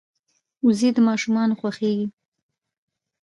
وزې د ماشومانو خوښېږي